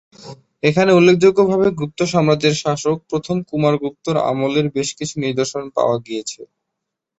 এখানে উল্লেখযোগ্যভাবে গুপ্ত সাম্রাজ্যের শাসক প্রথম কুমারগুপ্ত-র আমলের বেশ কিছু নিদর্শন পাওয়া গিয়েছে।